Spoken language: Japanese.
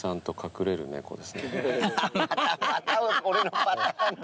また俺のパターンだ。